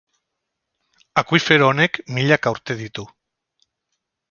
Akuifero honek milaka urte ditu.